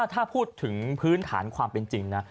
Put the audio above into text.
ถ้าพูดถึงพื้นฐานความเป็นจริงนะ